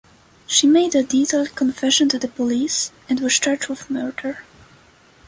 She made a detailed confession to the police and was charged with murder.